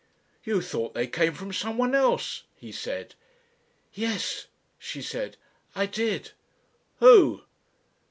"You thought they came from someone else," he said. "Yes," she said, "I did." "Who?"